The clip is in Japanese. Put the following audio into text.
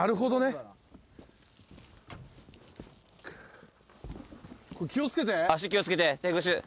足気をつけて。